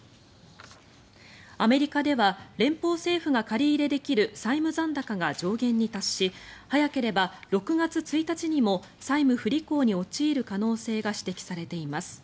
アメリカでは、連邦政府が借り入れできる債務残高が上限に達し早ければ６月１日にも債務不履行に陥る可能性が指摘されています。